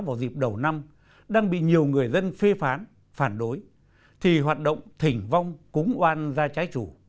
vào dịp đầu năm đang bị nhiều người dân phê phán phản đối thì hoạt động thỉnh vong cúng oan ra trái chủ